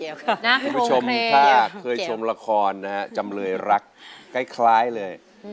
คุณผู้ชมถ้าเคยชมละครนะฮะจำเลยรักคล้ายเลย